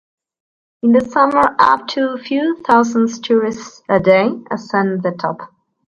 In the summer up to few thousands tourists a day ascend the top.